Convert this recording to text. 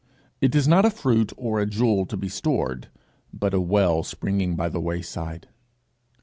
It is not a fruit or a jewel to be stored, but a well springing by the wayside.